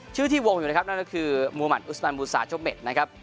ชื่อที่วงอยู่นั่นก็คือมุมันอุสมันบูรสาชกเมด